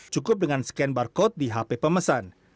cukup dengan scan barcode di hp pemesan